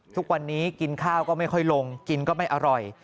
ทุกวันนี้กินข้าวก็ไม่ค่อยลงกินก็ไม่อร่อย